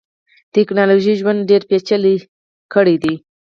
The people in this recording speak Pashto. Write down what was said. ټکنالوژۍ ژوند ډیر پېچلی کړیدی.